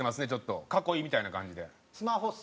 囲いみたいな感じで。